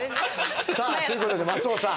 さあという事で松尾さん。